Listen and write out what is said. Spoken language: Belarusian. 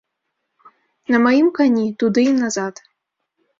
На маім кані, туды і назад.